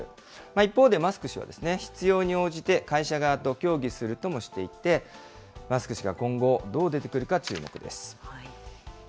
一方で、マスク氏は、必要に応じて会社側と協議するともしていて、マスク氏が今後、どう出てくるか注目です。